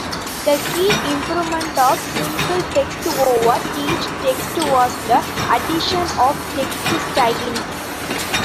The key improvement of SimpleText over TeachText was the addition of text styling.